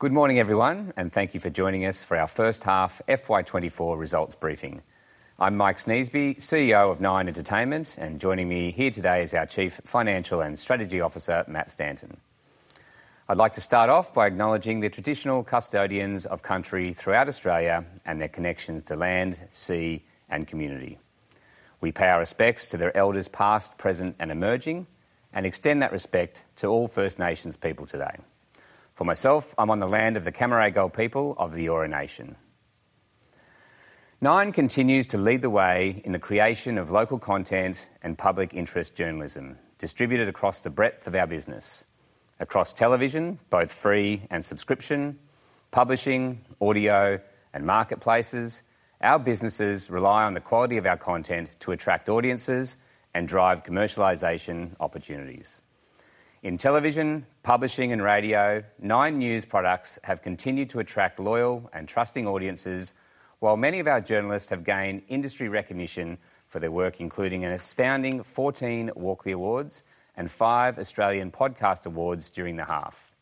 Good morning, everyone, and thank you for joining us for our first half FY 2024 results briefing. I'm Mike Sneesby, CEO of Nine Entertainment, and joining me here today is our Chief Financial and Strategy Officer, Matt Stanton. I'd like to start off by acknowledging the traditional custodians of country throughout Australia and their connections to land, sea, and community. We pay our respects to their elders, past, present, and emerging, and extend that respect to all First Nations people today. For myself, I'm on the land of the Cammeraygal people of the Eora Nation. Nine continues to lead the way in the creation of local content and public interest journalism, distributed across the breadth of our business. Across television, both free and subscription, publishing, audio, and marketplaces, our businesses rely on the quality of our content to attract audiences and drive commercialization opportunities. In television, publishing, and radio, Nine News products have continued to attract loyal and trusting audiences, while many of our journalists have gained industry recognition for their work, including an astounding 14 Walkley Awards and five Australian Podcast Awards during the half.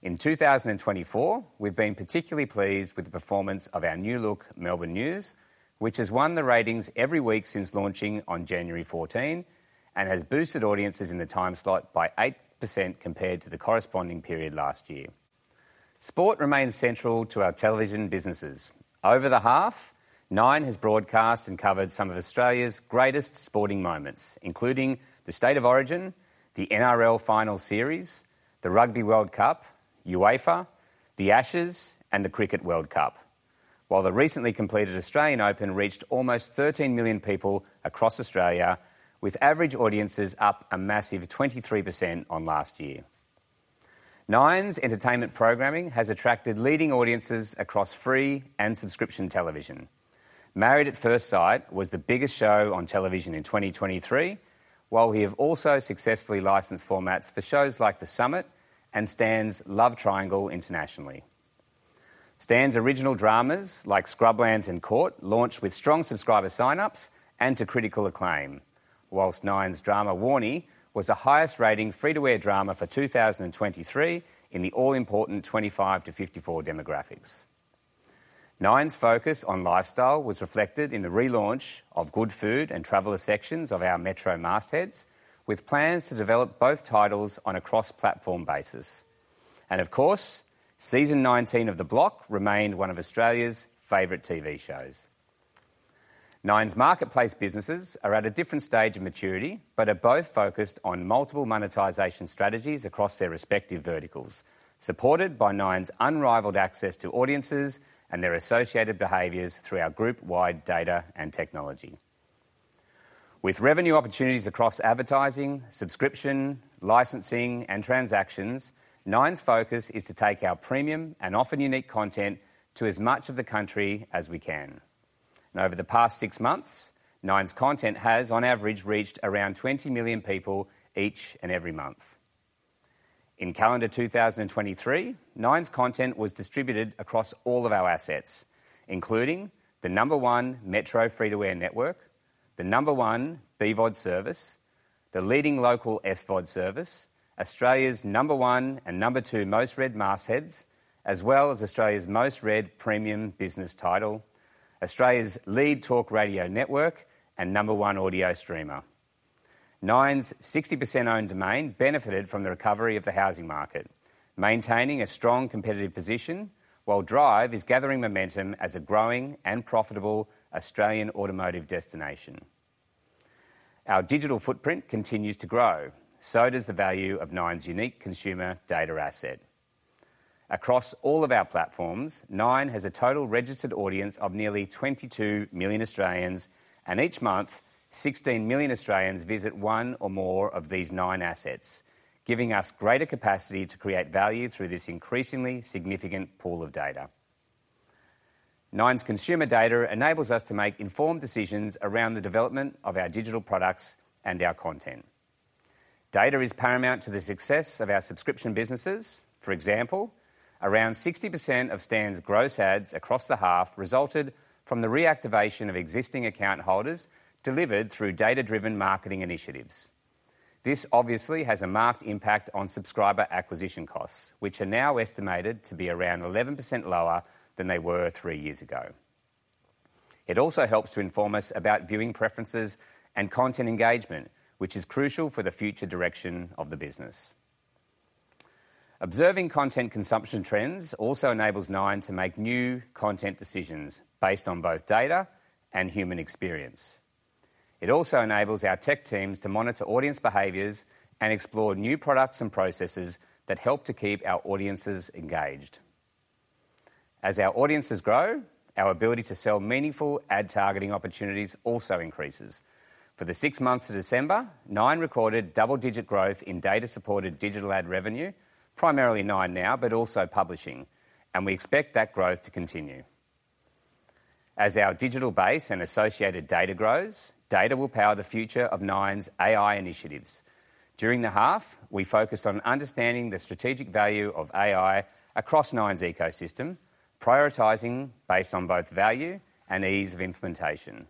In 2024, we've been particularly pleased with the performance of our new-look Melbourne News, which has won the ratings every week since launching on January 14, and has boosted audiences in the time slot by 8% compared to the corresponding period last year. Sport remains central to our television businesses. Over the half, Nine has broadcast and covered some of Australia's greatest sporting moments, including the State of Origin, the NRL Finals Series, the Rugby World Cup, UEFA, the Ashes, and the Cricket World Cup. While the recently completed Australian Open reached almost 13 million people across Australia, with average audiences up a massive 23% on last year. Nine's entertainment programming has attracted leading audiences across free and subscription television. Married at First Sight was the biggest show on television in 2023, while we have also successfully licensed formats for shows like The Summit and Stan's Love Triangle internationally. Stan's original dramas, like Scrublands and C*A*U*G*H*T, launched with strong subscriber sign-ups and to critical acclaim, while Nine's drama, Warnie, was the highest-rating free-to-air drama for 2023 in the all-important 25-54 demographics. Nine's focus on lifestyle was reflected in the relaunch of Good Food and Traveller sections of our Metro mastheads, with plans to develop both titles on a cross-platform basis. And of course, season 19 of The Block remained one of Australia's favorite TV shows. Nine's marketplace businesses are at a different stage of maturity, but are both focused on multiple monetization strategies across their respective verticals, supported by Nine's unrivaled access to audiences and their associated behaviors through our group-wide data and technology. With revenue opportunities across advertising, subscription, licensing, and transactions, Nine's focus is to take our premium and often unique content to as much of the country as we can. Over the past six months, Nine's content has, on average, reached around 20 million people each and every month. In calendar 2023, Nine's content was distributed across all of our assets, including the number one metro free-to-air network, the number one BVOD service, the leading local SVOD service, Australia's number one and number two most-read mastheads, as well as Australia's most-read premium business title, Australia's lead talk radio network, and number one audio streamer. Nine's 60% owned Domain benefited from the recovery of the housing market, maintaining a strong competitive position, while Drive is gathering momentum as a growing and profitable Australian automotive destination. Our digital footprint continues to grow, so does the value of Nine's unique consumer data asset. Across all of our platforms, Nine has a total registered audience of nearly 22 million Australians, and each month, 16 million Australians visit one or more of these Nine assets, giving us greater capacity to create value through this increasingly significant pool of data. Nine's consumer data enables us to make informed decisions around the development of our digital products and our content. Data is paramount to the success of our subscription businesses. For example, around 60% of Stan's gross adds across the half resulted from the reactivation of existing account holders delivered through data-driven marketing initiatives. This obviously has a marked impact on subscriber acquisition costs, which are now estimated to be around 11% lower than they were three years ago. It also helps to inform us about viewing preferences and content engagement, which is crucial for the future direction of the business. Observing content consumption trends also enables Nine to make new content decisions based on both data and human experience. It also enables our tech teams to monitor audience behaviors and explore new products and processes that help to keep our audiences engaged. As our audiences grow, our ability to sell meaningful ad targeting opportunities also increases. For the six months to December, Nine recorded double-digit growth in data-supported digital ad revenue, primarily 9Now, but also publishing, and we expect that growth to continue. As our digital base and associated data grows, data will power the future of Nine's AI initiatives. During the half, we focused on understanding the strategic value of AI across Nine's ecosystem, prioritizing based on both value and ease of implementation.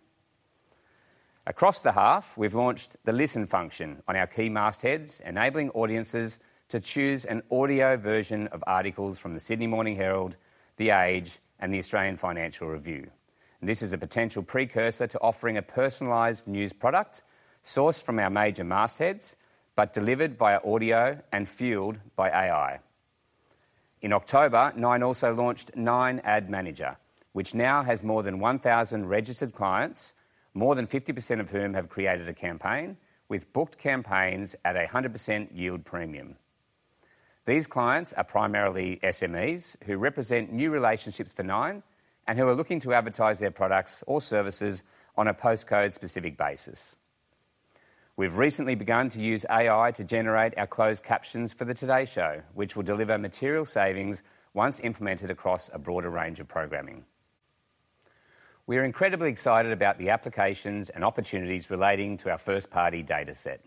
Across the half, we've launched the Listen function on our key mastheads, enabling audiences to choose an audio version of articles from The Sydney Morning Herald, The Age, and The Australian Financial Review. This is a potential precursor to offering a personalized news product sourced from our major mastheads, but delivered via audio and fueled by AI. In October, Nine also launched Nine Ad Manager, which now has more than 1,000 registered clients, more than 50% of whom have created a campaign, with booked campaigns at a 100% yield premium. These clients are primarily SMEs who represent new relationships for Nine, and who are looking to advertise their products or services on a postcode-specific basis. We've recently begun to use AI to generate our closed captions for the Today Show, which will deliver material savings once implemented across a broader range of programming. We are incredibly excited about the applications and opportunities relating to our first-party data set.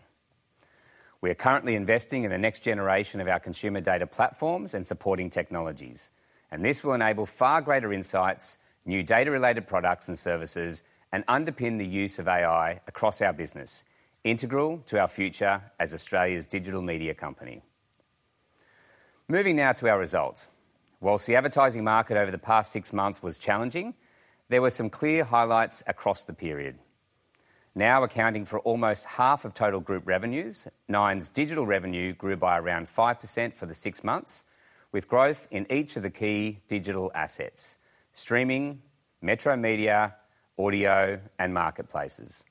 We are currently investing in the next generation of our consumer data platforms and supporting technologies, and this will enable far greater insights, new data-related products and services, and underpin the use of AI across our business, integral to our future as Australia's digital media company. Moving now to our results. While the advertising market over the past six months was challenging, there were some clear highlights across the period. Now accounting for almost half of total group revenues, Nine's digital revenue grew by around 5% for the six months, with growth in each of the key digital assets: streaming, metro media, audio, and marketplaces.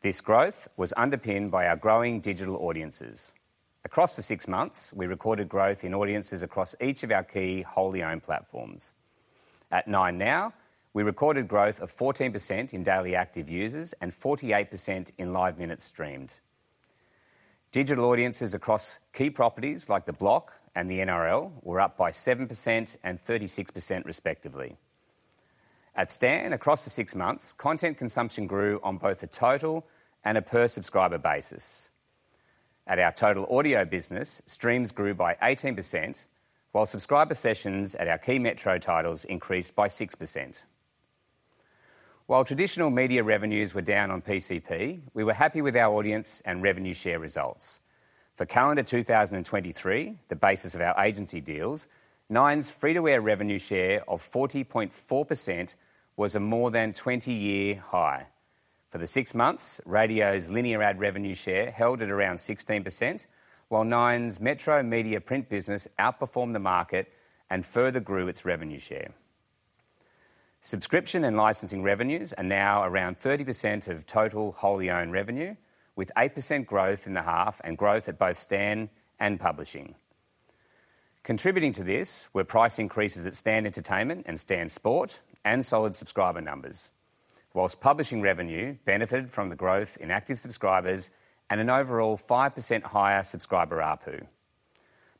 This growth was underpinned by our growing digital audiences. Across the six months, we recorded growth in audiences across each of our key wholly-owned platforms. At 9Now, we recorded growth of 14% in daily active users and 48% in live minutes streamed. Digital audiences across key properties like The Block and the NRL were up by 7% and 36%, respectively. At Stan, across the six months, content consumption grew on both a total and a per-subscriber basis. At our total audio business, streams grew by 18%, while subscriber sessions at our key metro titles increased by 6%. While traditional media revenues were down on PCP, we were happy with our audience and revenue share results. For calendar 2023, the basis of our agency deals, Nine's free-to-air revenue share of 40.4% was a more than 20-year high. For the six months, radio's linear ad revenue share held at around 16%, while Nine's metro media print business outperformed the market and further grew its revenue share. Subscription and licensing revenues are now around 30% of total wholly-owned revenue, with 8% growth in the half and growth at both Stan and publishing. Contributing to this were price increases at Stan Entertainment and Stan Sport, and solid subscriber numbers, while publishing revenue benefited from the growth in active subscribers and an overall 5% higher subscriber ARPU.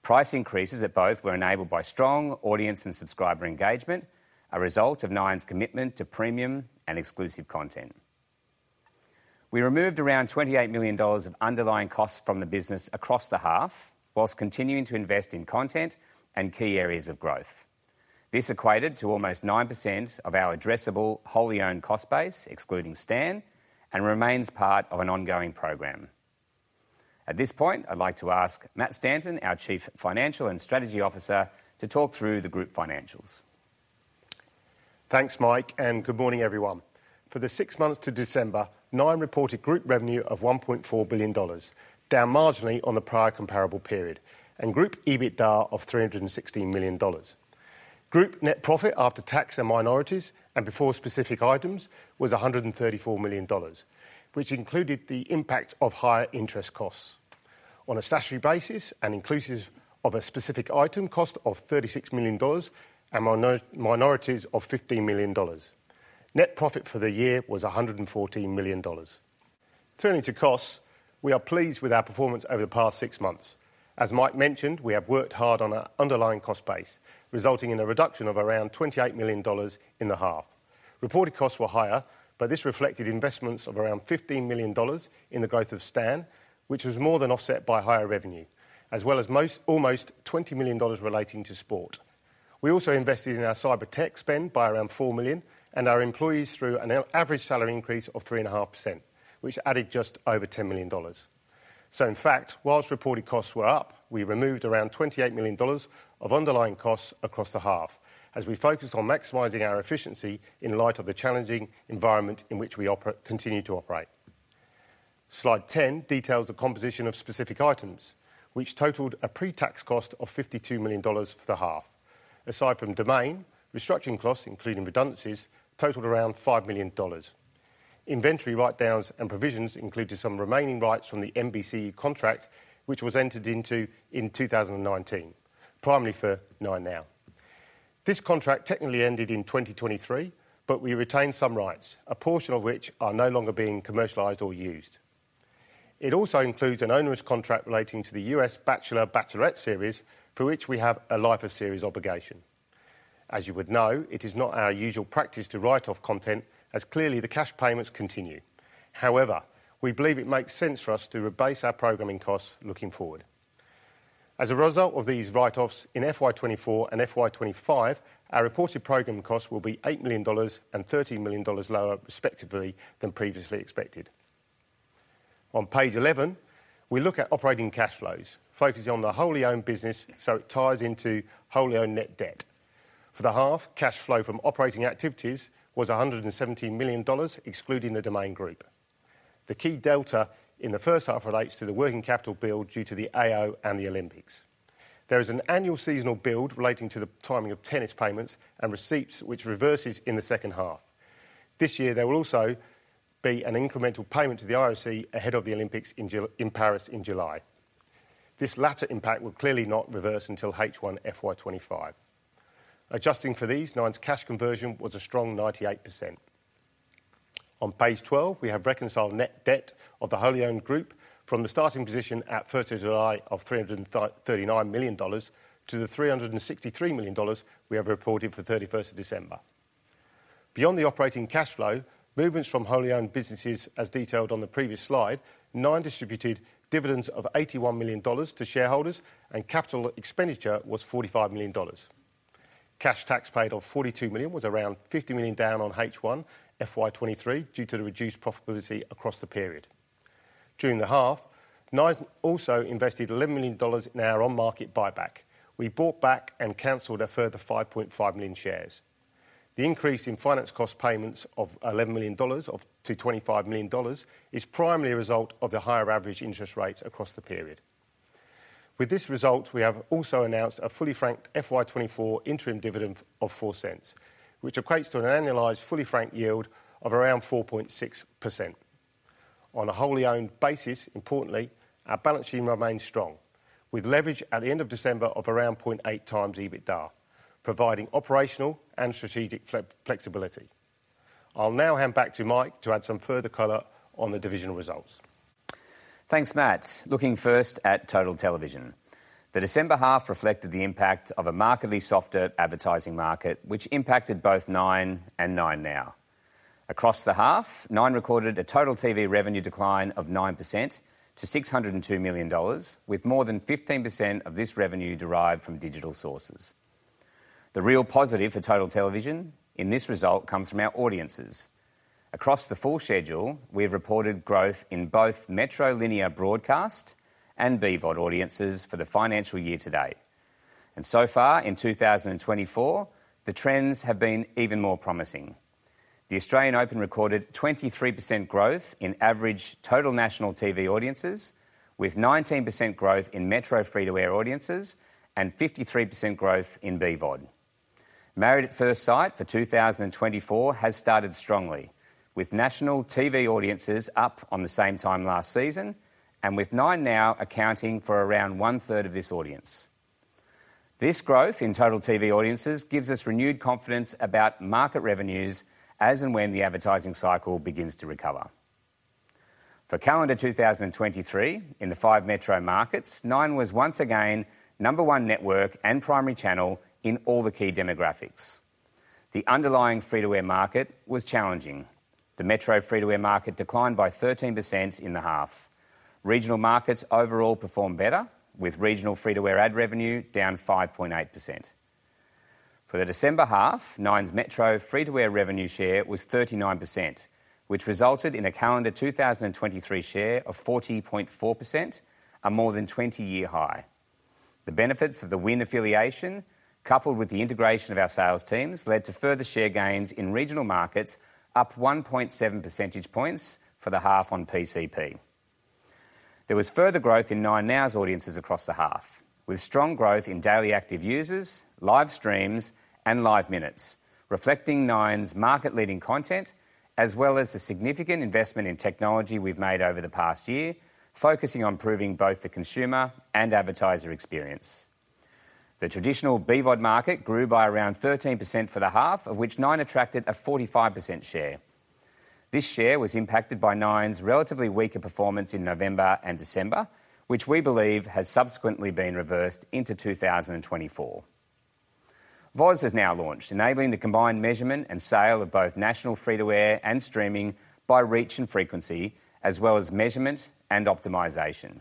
Price increases at both were enabled by strong audience and subscriber engagement, a result of Nine's commitment to premium and exclusive content. We removed around 28 million dollars of underlying costs from the business across the half, while continuing to invest in content and key areas of growth. This equated to almost 9% of our addressable, wholly-owned cost base, excluding Stan, and remains part of an ongoing program. At this point, I'd like to ask Matt Stanton, our Chief Financial and Strategy Officer, to talk through the group financials. Thanks, Mike, and good morning, everyone. For the six months to December, Nine reported group revenue of AUD 1.4 billion, down marginally on the prior comparable period, and group EBITDA of AUD 316 million. Group net profit after tax and minorities, and before specific items, was 134 million dollars, which included the impact of higher interest costs. On a statutory basis and inclusive of a specific item cost of 36 million dollars and minorities of 15 million dollars. Net profit for the year was 114 million dollars. Turning to costs, we are pleased with our performance over the past six months. As Mike mentioned, we have worked hard on our underlying cost base, resulting in a reduction of around 28 million dollars in the half. Reported costs were higher, but this reflected investments of around 15 million dollars in the growth of Stan, which was more than offset by higher revenue, as well as almost 20 million dollars relating to sport. We also invested in our cyber tech spend by around 4 million, and our employees, through an average salary increase of 3.5%, which added just over 10 million dollars. So in fact, while reported costs were up, we removed around 28 million dollars of underlying costs across the half as we focused on maximizing our efficiency in light of the challenging environment in which we continue to operate. Slide 10 details the composition of specific items, which totaled a pre-tax cost of 52 million dollars for the half. Aside from Domain, restructuring costs, including redundancies, totaled around 5 million dollars. Inventory write-downs and provisions included some remaining rights from the NBC contract, which was entered into in 2019, primarily for 9Now. This contract technically ended in 2023, but we retained some rights, a portion of which are no longer being commercialized or used. It also includes an onerous contract relating to the U.S. Bachelor/Bachelorette series, for which we have a life-of-series obligation. As you would know, it is not our usual practice to write off content, as clearly the cash payments continue. However, we believe it makes sense for us to rebase our programming costs looking forward. As a result of these write-offs in FY 2024 and FY 2025, our reported program costs will be 8 million dollars and 13 million dollars lower, respectively, than previously expected. On page 11, we look at operating cash flows, focusing on the wholly owned business, so it ties into wholly owned net debt. For the half, cash flow from operating activities was 117 million dollars, excluding the Domain group. The key delta in the first half relates to the working capital build due to the AO and the Olympics. There is an annual seasonal build relating to the timing of tennis payments and receipts, which reverses in the second half. This year, there will also be an incremental payment to the IOC ahead of the Olympics in Paris in July. This latter impact will clearly not reverse until H1 FY 2025. Adjusting for these, Nine's cash conversion was a strong 98%. On page 12, we have reconciled net debt of the wholly owned group from the starting position at 1st of July of AUD 339 million to the AUD 363 million we have reported for 31st of December. Beyond the operating cash flow, movements from wholly owned businesses, as detailed on the previous slide, Nine distributed dividends of 81 million dollars to shareholders, and capital expenditure was 45 million dollars. Cash tax paid of 42 million was around 50 million, down on H1 FY 2023 due to the reduced profitability across the period. During the half, Nine also invested 11 million dollars in our on-market buyback. We bought back and canceled a further 5.5 million shares. The increase in finance cost payments of 11 million dollars to 25 million dollars is primarily a result of the higher average interest rates across the period. With this result, we have also announced a fully franked FY 2024 interim dividend of 0.04, which equates to an annualized fully franked yield of around 4.6%. On a wholly owned basis, importantly, our balance sheet remains strong, with leverage at the end of December of around 0.8x EBITDA, providing operational and strategic flexibility. I'll now hand back to Mike to add some further color on the divisional results. Thanks, Matt. Looking first at Total Television. The December half reflected the impact of a markedly softer advertising market, which impacted both Nine and 9Now. Across the half, Nine recorded a total TV revenue decline of 9% to AUD 602 million, with more than 15% of this revenue derived from digital sources. The real positive for Total Television in this result comes from our audiences. Across the full schedule, we have reported growth in both metro linear broadcast and BVOD audiences for the financial year to date, and so far in 2024, the trends have been even more promising. The Australian Open recorded 23% growth in average total national TV audiences, with 19% growth in metro free-to-air audiences and 53% growth in BVOD. Married at First Sight for 2024 has started strongly, with national TV audiences up on the same time last season and with 9Now accounting for around one-third of this audience. This growth in total TV audiences gives us renewed confidence about market revenues as and when the advertising cycle begins to recover. For calendar 2023, in the five metro markets, Nine was once again number one network and primary channel in all the key demographics. The underlying free-to-air market was challenging. The metro free-to-air market declined by 13% in the half. Regional markets overall performed better, with regional free-to-air ad revenue down 5.8%. For the December half, Nine's metro free-to-air revenue share was 39%, which resulted in a calendar 2023 share of 40.4%, a more than 20-year high. The benefits of the WIN affiliation, coupled with the integration of our sales teams, led to further share gains in regional markets, up 1.7 percentage points for the half on PCP. There was further growth in 9Now's audiences across the half, with strong growth in daily active users, live streams, and live minutes, reflecting Nine's market-leading content, as well as the significant investment in technology we've made over the past year, focusing on improving both the consumer and advertiser experience. The traditional BVOD market grew by around 13% for the half, of which Nine attracted a 45% share. This share was impacted by Nine's relatively weaker performance in November and December, which we believe has subsequently been reversed into 2024. VOZ has now launched, enabling the combined measurement and sale of both national free-to-air and streaming by reach and frequency, as well as measurement and optimization.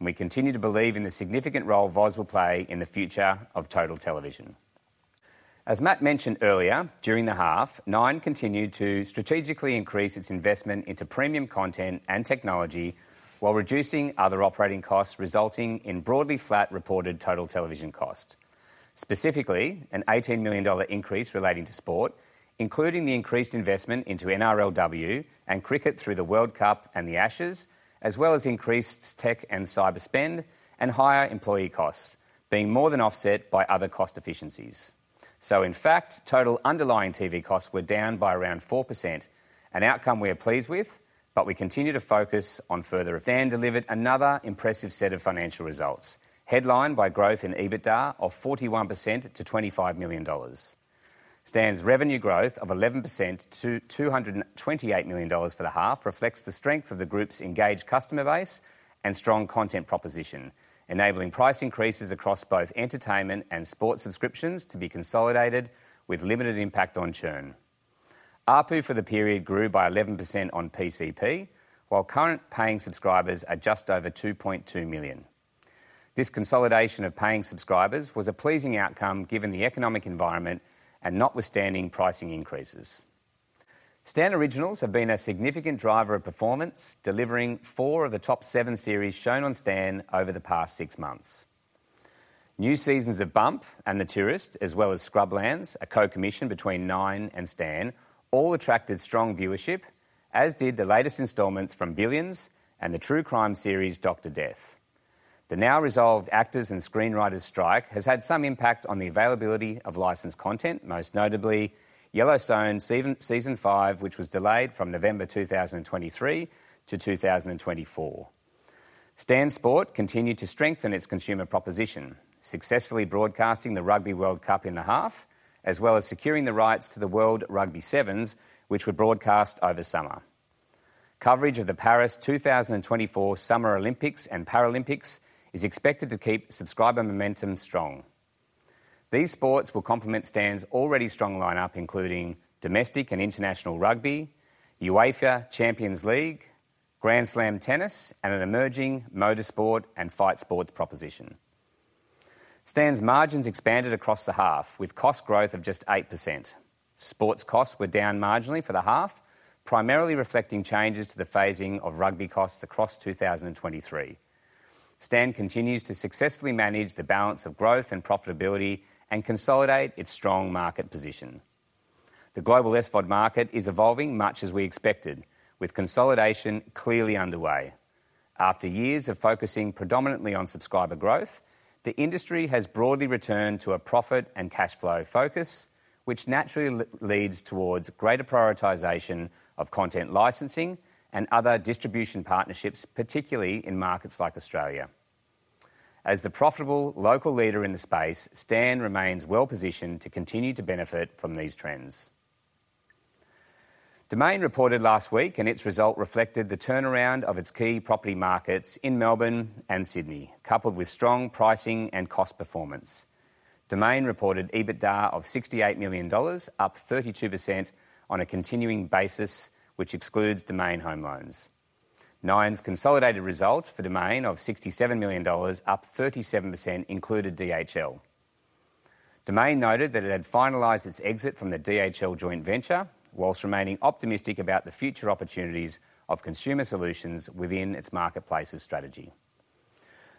We continue to believe in the significant role VOZ will play in the future of Total Television. As Matt mentioned earlier, during the half, Nine continued to strategically increase its investment into premium content and technology while reducing other operating costs, resulting in broadly flat reported Total Television cost. Specifically, an AUD 18 million increase relating to sport, including the increased investment into NRLW and cricket through the World Cup and the Ashes, as well as increased tech and cyber spend and higher employee costs, being more than offset by other cost efficiencies. So in fact, total underlying TV costs were down by around 4%, an outcome we are pleased with, but we continue to focus on further... Stan delivered another impressive set of financial results, headlined by growth in EBITDA of 41% to 25 million dollars. Stan's revenue growth of 11% to 228 million dollars for the half reflects the strength of the group's engaged customer base and strong content proposition, enabling price increases across both entertainment and sport subscriptions to be consolidated with limited impact on churn. ARPU for the period grew by 11% on PCP, while current paying subscribers are just over 2.2 million. This consolidation of paying subscribers was a pleasing outcome, given the economic environment and notwithstanding pricing increases. Stan Originals have been a significant driver of performance, delivering four of the top seven series shown on Stan over the past six months. New seasons of Bump and The Tourist, as well as Scrublands, a co-commission between Nine and Stan, all attracted strong viewership, as did the latest installments from Billions and the true crime series, Dr. Death. The now resolved actors and screenwriters strike has had some impact on the availability of licensed content, most notably Yellowstone season 5, which was delayed from November 2023 to 2024. Stan Sport continued to strengthen its consumer proposition, successfully broadcasting the Rugby World Cup in the half, as well as securing the rights to the World Rugby Sevens, which were broadcast over summer. Coverage of the Paris 2024 Summer Olympics and Paralympics is expected to keep subscriber momentum strong. These sports will complement Stan's already strong lineup, including domestic and international rugby, UEFA Champions League, Grand Slam tennis, and an emerging motorsport and fight sports proposition. Stan's margins expanded across the half, with cost growth of just 8%. Sports costs were down marginally for the half, primarily reflecting changes to the phasing of rugby costs across 2023. Stan continues to successfully manage the balance of growth and profitability and consolidate its strong market position. The global SVOD market is evolving much as we expected, with consolidation clearly underway. After years of focusing predominantly on subscriber growth, the industry has broadly returned to a profit and cash flow focus, which naturally leads towards greater prioritization of content licensing and other distribution partnerships, particularly in markets like Australia. As the profitable local leader in the space, Stan remains well-positioned to continue to benefit from these trends. Domain reported last week, and its result reflected the turnaround of its key property markets in Melbourne and Sydney, coupled with strong pricing and cost performance. Domain reported EBITDA of 68 million dollars, up 32% on a continuing basis, which excludes Domain Home Loans. Nine's consolidated results for Domain of AUD 67 million, up 37%, included DHL. Domain noted that it had finalized its exit from the DHL joint venture, while remaining optimistic about the future opportunities of consumer solutions within its marketplaces strategy.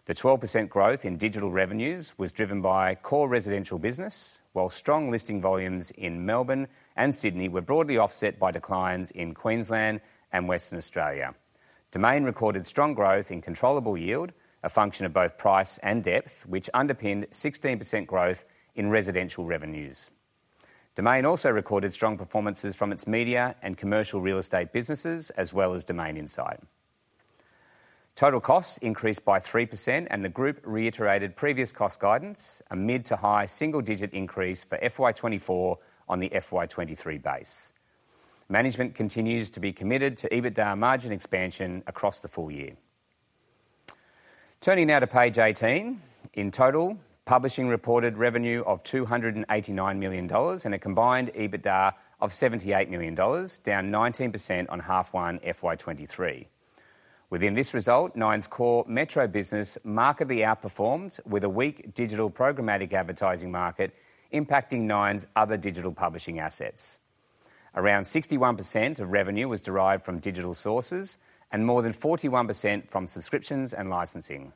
The 12% growth in digital revenues was driven by core residential business, while strong listing volumes in Melbourne and Sydney were broadly offset by declines in Queensland and Western Australia. Domain recorded strong growth in controllable yield, a function of both price and depth, which underpinned 16% growth in residential revenues. Domain also recorded strong performances from its media and commercial real estate businesses, as well as Domain Insight. Total costs increased by 3%, and the group reiterated previous cost guidance, a mid- to high single-digit increase for FY 2024 on the FY 2023 base. Management continues to be committed to EBITDA margin expansion across the full year. Turning now to page 18. In total, publishing reported revenue of 289 million dollars and a combined EBITDA of 78 million dollars, down 19% on H1 FY 2023. Within this result, Nine's core metro business markedly outperformed, with a weak digital programmatic advertising market impacting Nine's other digital publishing assets. Around 61% of revenue was derived from digital sources and more than 41% from subscriptions and licensing.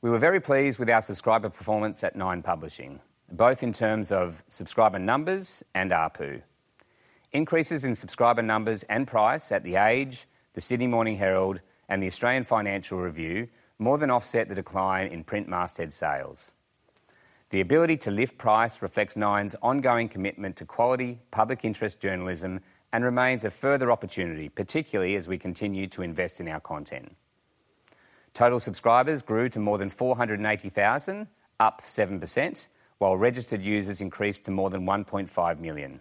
We were very pleased with our subscriber performance at Nine Publishing, both in terms of subscriber numbers and ARPU. Increases in subscriber numbers and price at The Age, The Sydney Morning Herald, and The Australian Financial Review more than offset the decline in print masthead sales. The ability to lift price reflects Nine's ongoing commitment to quality public interest journalism and remains a further opportunity, particularly as we continue to invest in our content. Total subscribers grew to more than 480,000, up 7%, while registered users increased to more than 1.5 million.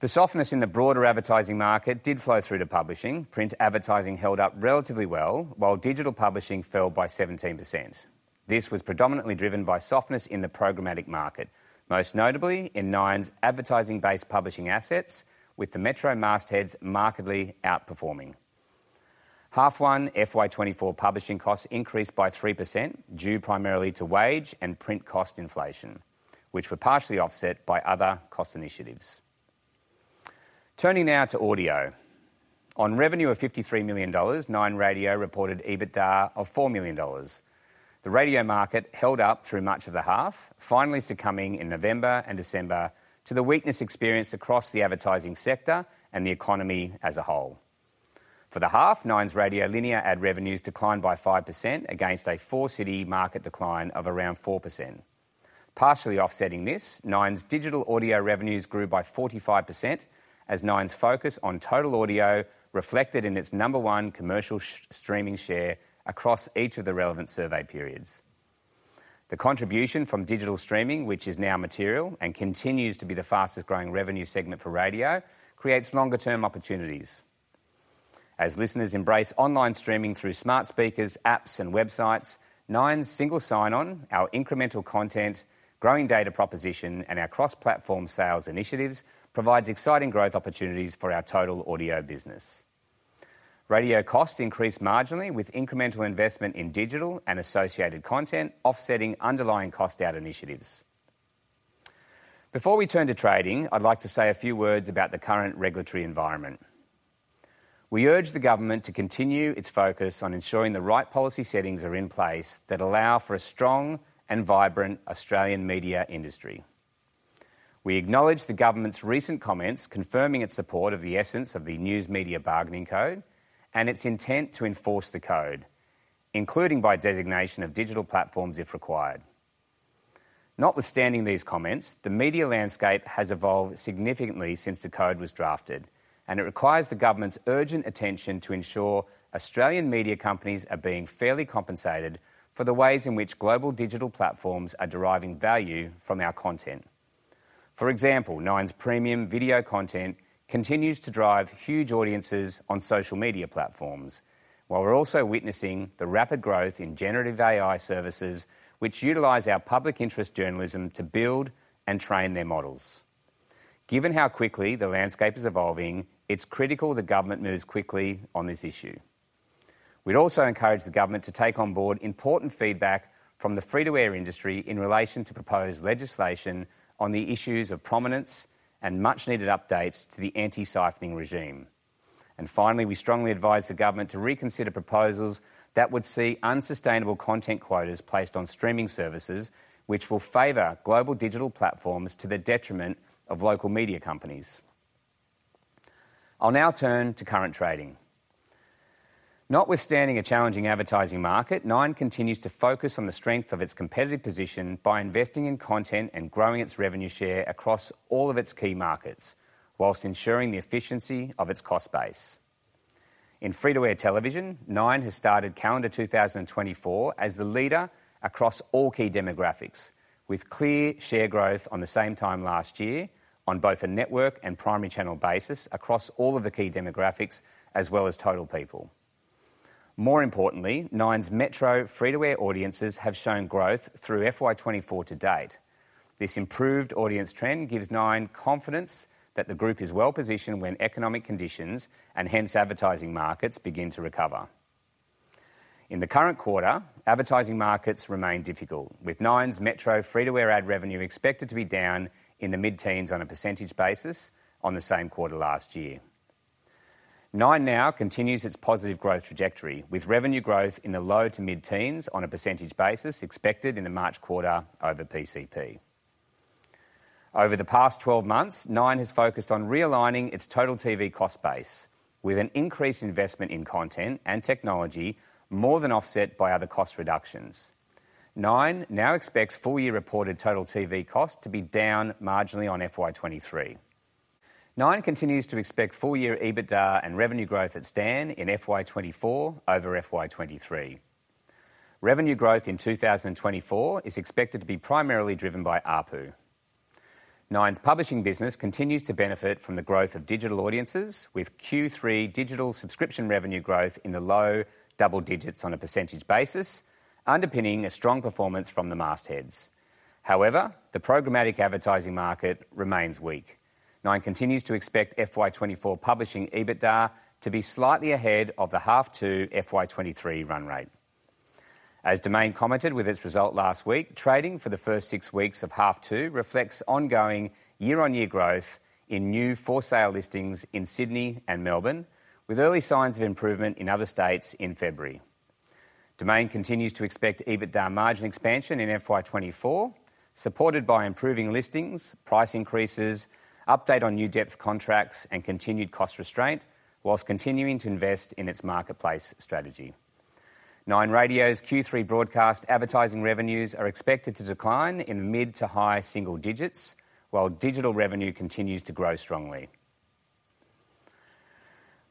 The softness in the broader advertising market did flow through to publishing. Print advertising held up relatively well, while digital publishing fell by 17%. This was predominantly driven by softness in the programmatic market, most notably in Nine's advertising-based publishing assets, with the metro mastheads markedly outperforming. H1 FY24 publishing costs increased by 3%, due primarily to wage and print cost inflation, which were partially offset by other cost initiatives. Turning now to audio. On revenue of 53 million, Nine Radio reported EBITDA of AUD 4 million. The radio market held up through much of the half, finally succumbing in November and December to the weakness experienced across the advertising sector and the economy as a whole. For the half, Nine's radio linear ad revenues declined by 5% against a four-city market decline of around 4%. Partially offsetting this, Nine's digital audio revenues grew by 45%, as Nine's focus on total audio reflected in its number one commercial streaming share across each of the relevant survey periods. The contribution from digital streaming, which is now material and continues to be the fastest-growing revenue segment for radio, creates longer-term opportunities. As listeners embrace online streaming through smart speakers, apps, and websites, Nine's single sign-on, our incremental content, growing data proposition, and our cross-platform sales initiatives provides exciting growth opportunities for our total audio business. Radio costs increased marginally, with incremental investment in digital and associated content offsetting underlying cost-out initiatives. Before we turn to trading, I'd like to say a few words about the current regulatory environment. We urge the government to continue its focus on ensuring the right policy settings are in place that allow for a strong and vibrant Australian media industry. We acknowledge the government's recent comments confirming its support of the essence of the News Media Bargaining Code and its intent to enforce the code, including by designation of digital platforms if required. Notwithstanding these comments, the media landscape has evolved significantly since the code was drafted, and it requires the government's urgent attention to ensure Australian media companies are being fairly compensated for the ways in which global digital platforms are deriving value from our content. For example, Nine's premium video content continues to drive huge audiences on social media platforms, while we're also witnessing the rapid growth in generative AI services, which utilize our public interest journalism to build and train their models. Given how quickly the landscape is evolving, it's critical the government moves quickly on this issue. We'd also encourage the government to take on board important feedback from the free-to-air industry in relation to proposed legislation on the issues of prominence and much-needed updates to the anti-siphoning regime. Finally, we strongly advise the government to reconsider proposals that would see unsustainable content quotas placed on streaming services, which will favor global digital platforms to the detriment of local media companies. I'll now turn to current trading. Notwithstanding a challenging advertising market, Nine continues to focus on the strength of its competitive position by investing in content and growing its revenue share across all of its key markets, while ensuring the efficiency of its cost base. In free-to-air television, Nine has started calendar 2024 as the leader across all key demographics, with clear share growth on the same time last year on both a network and primary channel basis across all of the key demographics, as well as total people. More importantly, Nine's metro free-to-air audiences have shown growth through FY 2024 to date. This improved audience trend gives Nine confidence that the group is well-positioned when economic conditions, and hence advertising markets, begin to recover. In the current quarter, advertising markets remain difficult, with Nine's metro free-to-air ad revenue expected to be down in the mid-teens on a percentage basis on the same quarter last year. Nine now continues its positive growth trajectory, with revenue growth in the low to mid-teens on a percentage basis expected in the March quarter over PCP. Over the past 12 months, Nine has focused on realigning its total TV cost base with an increased investment in content and technology, more than offset by other cost reductions. Nine now expects full-year reported total TV cost to be down marginally on FY 2023. Nine continues to expect full-year EBITDA and revenue growth at Stan in FY 2024 over FY 2023. Revenue growth in 2024 is expected to be primarily driven by ARPU. Nine's publishing business continues to benefit from the growth of digital audiences, with Q3 digital subscription revenue growth in the low double digits on a percentage basis, underpinning a strong performance from the mastheads. However, the programmatic advertising market remains weak. Nine continues to expect FY 2024 publishing EBITDA to be slightly ahead of the H2 FY 2023 run rate. As Domain commented with its result last week, trading for the first six weeks of H2 reflects ongoing year-on-year growth in new for-sale listings in Sydney and Melbourne, with early signs of improvement in other states in February. Domain continues to expect EBITDA margin expansion in FY 2024, supported by improving listings, price increases, update on new debt contracts, and continued cost restraint, while continuing to invest in its marketplace strategy. Nine Radio's Q3 broadcast advertising revenues are expected to decline in mid to high single digits, while digital revenue continues to grow strongly.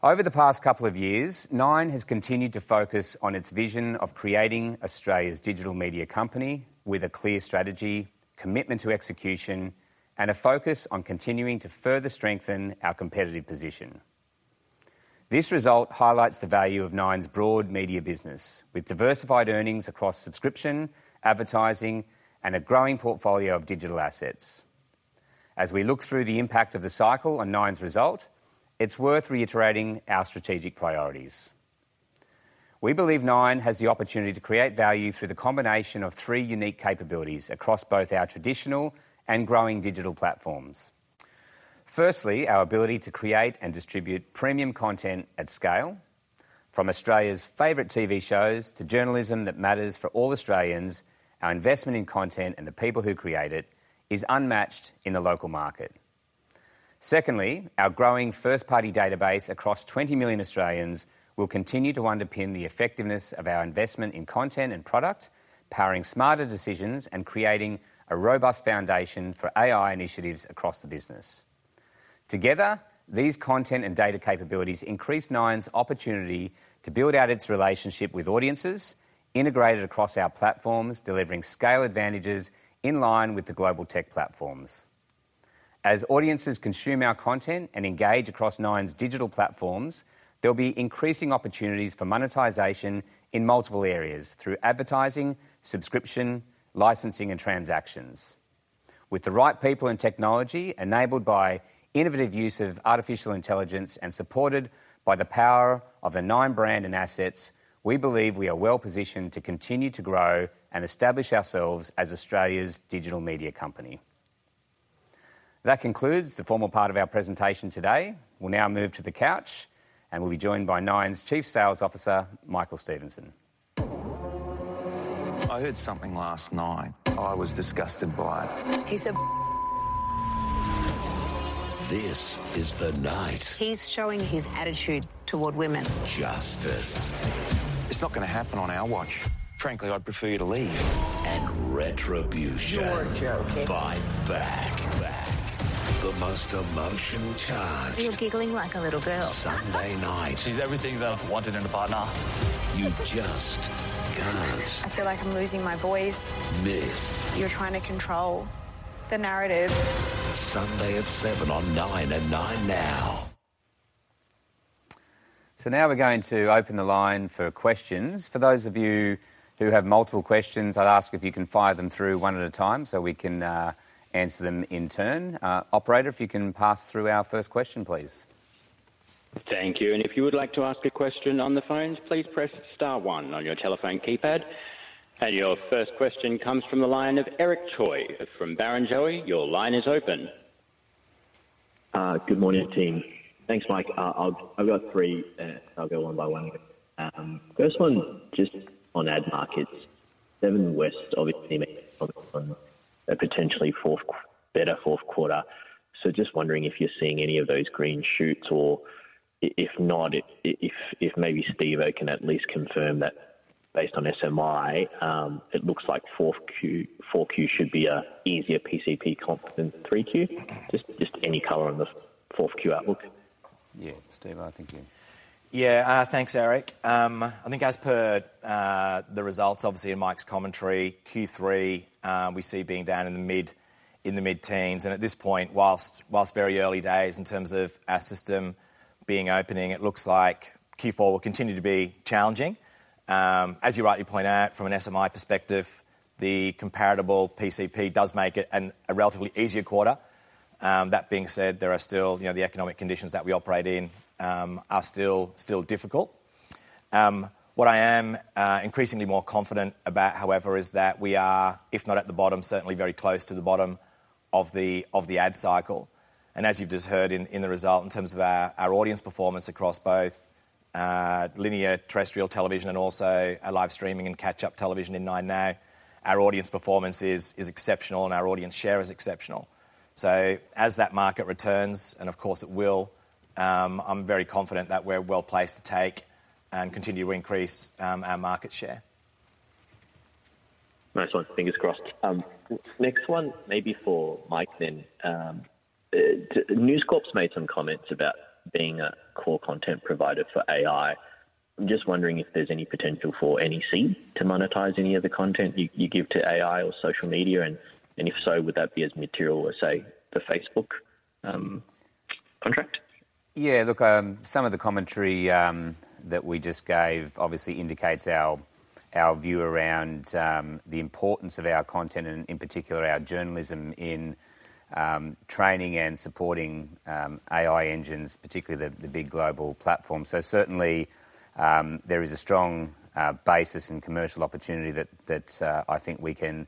Over the past couple of years, Nine has continued to focus on its vision of creating Australia's digital media company with a clear strategy, commitment to execution, and a focus on continuing to further strengthen our competitive position. This result highlights the value of Nine's broad media business, with diversified earnings across subscription, advertising, and a growing portfolio of digital assets. As we look through the impact of the cycle on Nine's result, it's worth reiterating our strategic priorities. We believe Nine has the opportunity to create value through the combination of three unique capabilities across both our traditional and growing digital platforms. Firstly, our ability to create and distribute premium content at scale. From Australia's favorite TV shows to journalism that matters for all Australians, our investment in content and the people who create it is unmatched in the local market. Secondly, our growing first-party database across 20 million Australians will continue to underpin the effectiveness of our investment in content and product, powering smarter decisions and creating a robust foundation for AI initiatives across the business. Together, these content and data capabilities increase Nine's opportunity to build out its relationship with audiences, integrated across our platforms, delivering scale advantages in line with the global tech platforms. As audiences consume our content and engage across Nine's digital platforms, there'll be increasing opportunities for monetization in multiple areas, through advertising, subscription, licensing, and transactions. With the right people and technology, enabled by innovative use of artificial intelligence, and supported by the power of the Nine brand and assets, we believe we are well-positioned to continue to grow and establish ourselves as Australia's digital media company. That concludes the formal part of our presentation today. We'll now move to the couch, and we'll be joined by Nine's Chief Sales Officer, Michael Stephenson. Now we're going to open the line for questions. For those of you who have multiple questions, I'd ask if you can fire them through one at a time, so we can answer them in turn. Operator, if you can pass through our first question, please. Thank you, and if you would like to ask a question on the phones, please press star one on your telephone keypad. Your first question comes from the line of Eric Choi from Barrenjoey. Your line is open. Good morning, team. Thanks, Mike. I've got three, I'll go one by one. First one, just on ad markets. Seven West obviously makes a potentially fourth better fourth quarter. So just wondering if you're seeing any of those green shoots, or if not, if maybe Steve-O can at least confirm that based on SMI, it looks like 4Q-- 4Q should be an easier PCP comp than 3Q. Just any color on the 4Q outlook? Yeah. Steve-O, I think you. Yeah. Thanks, Eric. I think as per the results, obviously, in Mike's commentary, Q3 we see being down in the mid-teens, and at this point, whilst very early days in terms of our system being opening, it looks like Q4 will continue to be challenging. As you rightly point out, from an SMI perspective, the comparable PCP does make it a relatively easier quarter. That being said, there are still. You know, the economic conditions that we operate in are still difficult. What I am increasingly more confident about, however, is that we are, if not at the bottom, certainly very close to the bottom of the ad cycle. As you've just heard in the result, in terms of our audience performance across both linear terrestrial television and also our live streaming and catch-up television in 9Now, our audience performance is exceptional, and our audience share is exceptional. So as that market returns, and of course it will, I'm very confident that we're well-placed to take and continue to increase our market share. Nice one. Fingers crossed. Next one, maybe for Mike then. News Corp's made some comments about being a core content provider for AI. I'm just wondering if there's any potential for NEC to monetize any of the content you give to AI or social media, and if so, would that be as material as, say, the Facebook contract? Yeah, look, some of the commentary that we just gave obviously indicates our view around the importance of our content and in particular, our journalism in training and supporting AI engines, particularly the big global platforms. So certainly, there is a strong basis and commercial opportunity that I think we can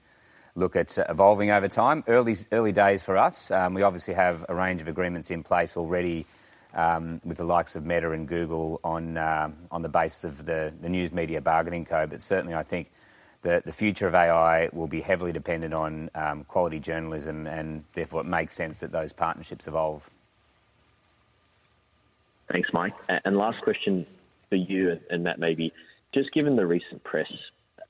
look at evolving over time. Early days for us. We obviously have a range of agreements in place already with the likes of Meta and Google on the basis of the News Media Bargaining Code, but certainly, I think the future of AI will be heavily dependent on quality journalism, and therefore, it makes sense that those partnerships evolve. Thanks, Mike. And last question for you, and Matt, maybe: Just given the recent press,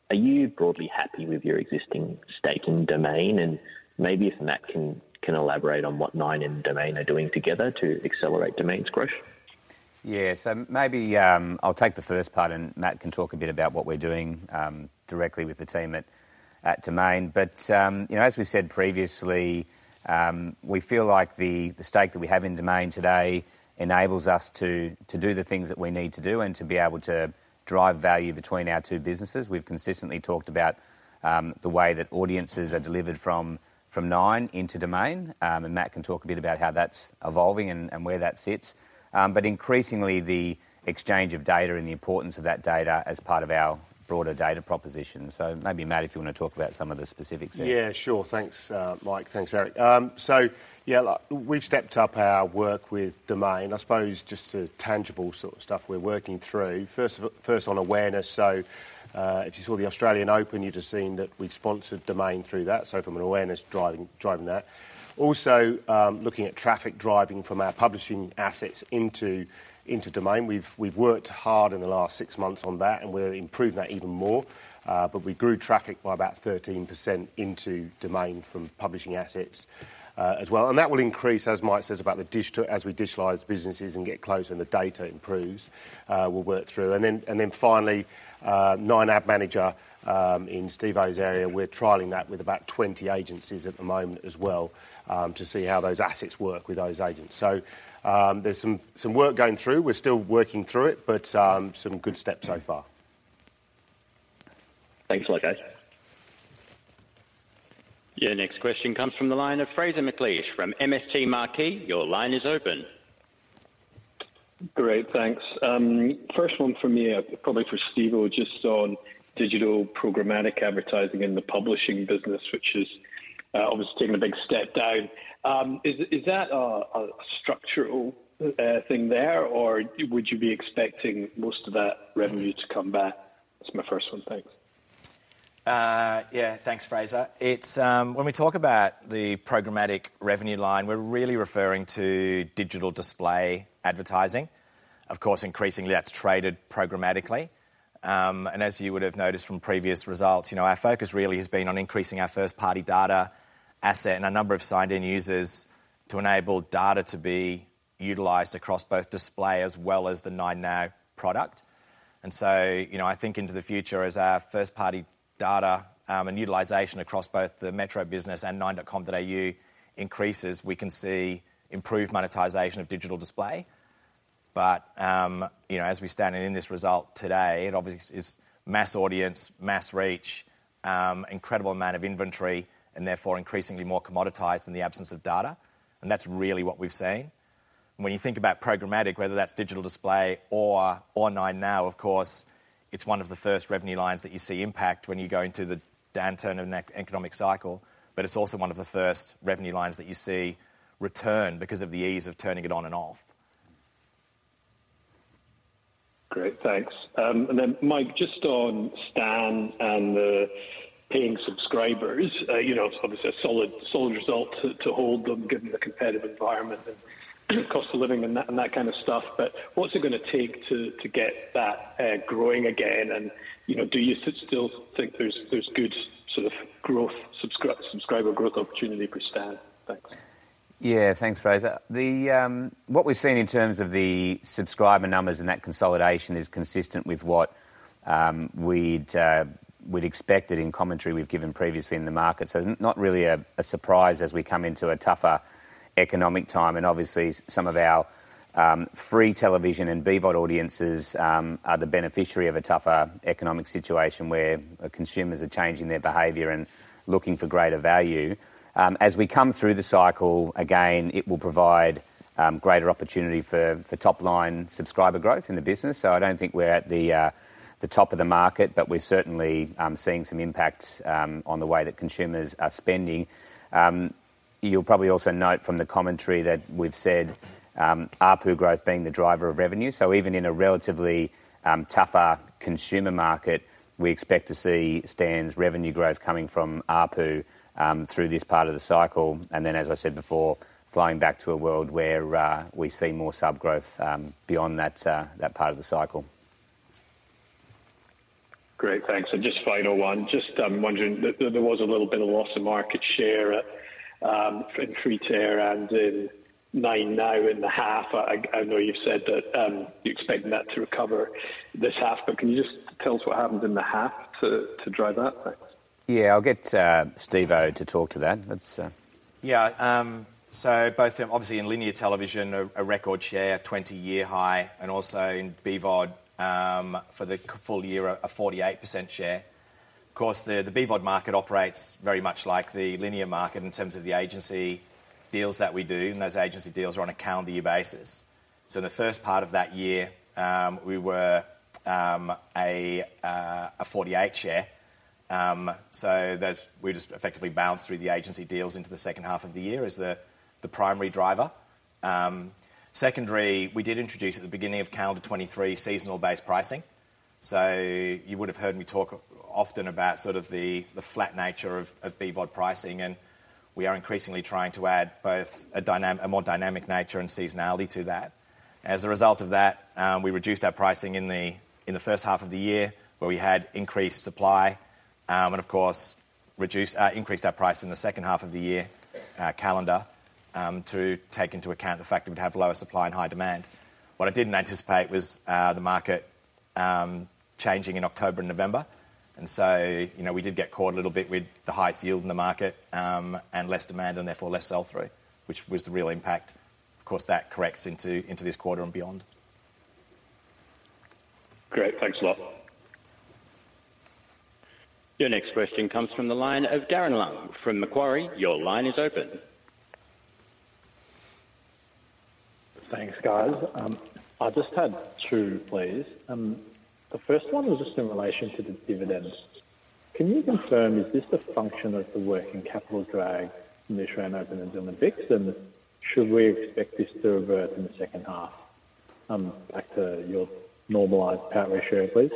are you broadly happy with your existing stake in Domain? And maybe if Matt can elaborate on what Nine and Domain are doing together to accelerate Domain's growth. Yeah. So maybe, I'll take the first part, and Matt can talk a bit about what we're doing, directly with the team at Domain. But, you know, as we've said previously, we feel like the stake that we have in Domain today enables us to do the things that we need to do and to be able to drive value between our two businesses. We've consistently talked about the way that audiences are delivered from Nine into Domain, and Matt can talk a bit about how that's evolving and where that sits. But increasingly, the exchange of data and the importance of that data as part of our broader data proposition. So maybe, Matt, if you wanna talk about some of the specifics there. Yeah, sure. Thanks, Mike. Thanks, Eric. So yeah, we've stepped up our work with Domain. I suppose, just the tangible sort of stuff we're working through. First, on awareness, so if you saw the Australian Open, you'd have seen that we sponsored Domain through that, so from an awareness, driving that. Also, looking at traffic driving from our publishing assets into Domain. We've worked hard in the last six months on that, and we'll improve that even more. But we grew traffic by about 13% into Domain from publishing assets, as well, and that will increase, as Mike says, as we digitalize businesses and get closer and the data improves, we'll work through. And then finally, Nine Ad Manager, in Steve-O's area, we're trialing that with about 20 agencies at the moment as well, to see how those assets work with those agents. So, there's some, some work going through. We're still working through it, but, some good steps so far. Thanks, guys. Your next question comes from the line of Fraser McLeish from MST Marquee. Your line is open. Great, thanks. First one from me, probably for Steve, just on digital programmatic advertising in the publishing business, which is obviously taking a big step down. Is that a structural thing there, or would you be expecting most of that revenue to come back? That's my first one. Thanks. Yeah, thanks, Fraser. It's when we talk about the programmatic revenue line, we're really referring to digital display advertising. Of course, increasingly, that's traded programmatically. And as you would have noticed from previous results, you know, our focus really has been on increasing our first-party data asset and a number of signed-in users to enable data to be utilized across both display as well as the 9Now product. And so, you know, I think into the future, as our first-party data and utilization across both the metro business and nine.com.au increases, we can see improved monetization of digital display. But you know, as we stand in this result today, it obviously is mass audience, mass reach, incredible amount of inventory, and therefore increasingly more commoditized in the absence of data, and that's really what we've seen. When you think about programmatic, whether that's digital display or 9Now, of course, it's one of the first revenue lines that you see impact when you go into the downturn of an economic cycle, but it's also one of the first revenue lines that you see return because of the ease of turning it on and off. Great, thanks. And then, Mike, just on Stan and the paying subscribers, you know, obviously a solid, solid result to hold them, given the competitive environment and cost of living and that, and that kind of stuff. But what's it gonna take to get that growing again? And, you know, do you still think there's good sort of growth, subscriber growth opportunity for Stan? Thanks. Yeah. Thanks, Fraser. What we've seen in terms of the subscriber numbers and that consolidation is consistent with what we'd expected in commentary we've given previously in the market. So not really a surprise as we come into a tougher economic time, and obviously some of our free television and BVOD audiences are the beneficiary of a tougher economic situation where consumers are changing their behavior and looking for greater value. As we come through the cycle, again, it will provide greater opportunity for top-line subscriber growth in the business. So I don't think we're at the top of the market, but we're certainly seeing some impacts on the way that consumers are spending. You'll probably also note from the commentary that we've said ARPU growth being the driver of revenue. So even in a relatively tougher consumer market, we expect to see Stan's revenue growth coming from ARPU through this part of the cycle, and then, as I said before, flying back to a world where we see more sub growth beyond that part of the cycle. Great, thanks. And just final one. Just, I'm wondering, there, there was a little bit of loss of market share in free to air and in 9Now in the half. I, I know you've said that, you're expecting that to recover this half, but can you just tell us what happened in the half to, to drive that? Thanks. Yeah, I'll get Steve-O to talk to that. Let's- Yeah, so both obviously in linear television, a record share, 20-year high, and also in BVOD, for the full year, a 48% share. Of course, the BVOD market operates very much like the linear market in terms of the agency deals that we do, and those agency deals are on a calendar year basis. So in the first part of that year, we were a 48 share. So those. We just effectively bounced through the agency deals into the second half of the year as the primary driver. Secondary, we did introduce at the beginning of calendar 2023, seasonal-based pricing. So you would have heard me talk often about sort of the flat nature of BVOD pricing, and we are increasingly trying to add both a more dynamic nature and seasonality to that. As a result of that, we reduced our pricing in the first half of the year, where we had increased supply, and of course, increased our price in the second half of the year, calendar, to take into account the fact that we'd have lower supply and high demand. What I didn't anticipate was the market changing in October and November, and so, you know, we did get caught a little bit with the highest yield in the market, and less demand, and therefore less sell-through, which was the real impact. Of course, that corrects into this quarter and beyond. Great. Thanks a lot. Your next question comes from the line of Darren Leung from Macquarie. Your line is open. Thanks, guys. I just had two, please. The first one was just in relation to the dividends. Can you confirm, is this a function of the working capital drag from the Australian Open and the Olympics? And should we expect this to revert in the second half, back to your normalized payout ratio, please?